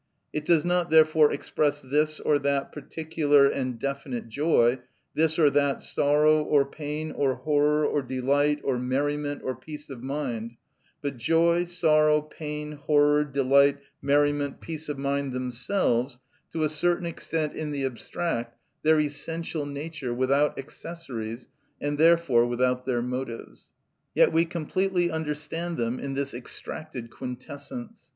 It does not therefore express this or that particular and definite joy, this or that sorrow, or pain, or horror, or delight, or merriment, or peace of mind; but joy, sorrow, pain, horror, delight, merriment, peace of mind themselves, to a certain extent in the abstract, their essential nature, without accessories, and therefore without their motives. Yet we completely understand them in this extracted quintessence.